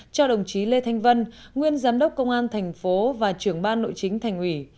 cho đồng chí lê thanh vân nguyên giám đốc công an thành phố và trưởng ban nội chính thành ủy